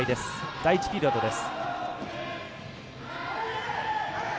第１ピリオドです。